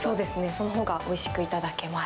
そのほうがおいしくいただけます。